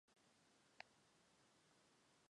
该舰也较两艘姊妹舰稍大及更快。